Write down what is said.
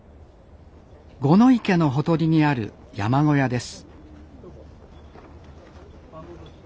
五の池のほとりにある山小屋です